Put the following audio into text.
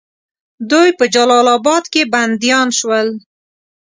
دوی په جلال آباد کې بندیان شول.